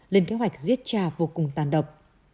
lên kế hoạch giết cha vô cùng tàn độc